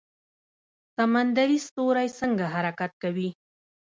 سمندري ستوری څنګه حرکت کوي؟